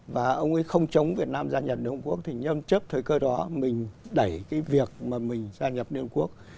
và ông ấy không chống việt nam gia nhập liên hiệp quốc thì nhâm chấp thời cơ đó mình đẩy cái việc mà mình gia nhập liên hiệp quốc